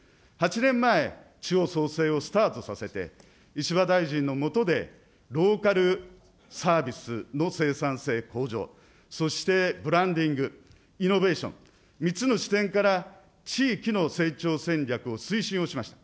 ８年前、地方創生をスタートさせて、石破大臣の下でローカルサービスの生産性向上、そしてブランディング、イノベーション、３つの視点から地域の成長戦略を推進をしました。